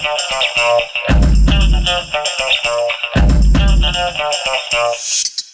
ร้าเอสโอเคขอบคุณชายอืม